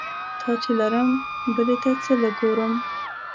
تا چې لرم بلې ته څه له ګورم؟